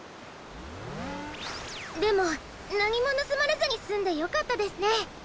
でもなにもぬすまれずにすんでよかったですね。